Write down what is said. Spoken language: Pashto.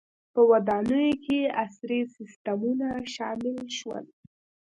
• په ودانیو کې عصري سیستمونه شامل شول.